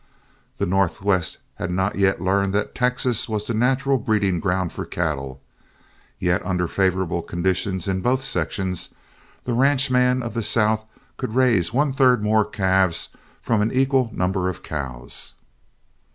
The Northwest had not yet learned that Texas was the natural breeding ground for cattle, yet under favorable conditions in both sections, the ranchman of the South could raise one third more calves from an equal number of cows.